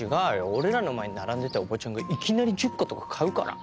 俺らの前に並んでたおばちゃんがいきなり１０個とか買うから。